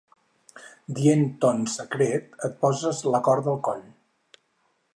Dient ton secret et poses la corda al coll.